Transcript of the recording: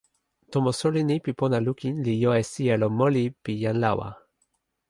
tomo suli ni pi pona lukin li jo e sijelo moli pi jan lawa.